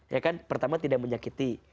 ya kan pertama tidak menyakiti